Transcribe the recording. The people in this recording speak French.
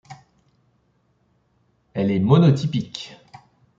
Elle est monotypique.